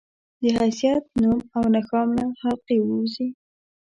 د حيثيت، نوم او نښان له حلقې ووځي